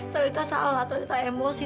talitha salah talitha emosi